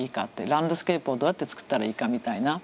ランドスケープをどうやって作ったらいいかみたいな。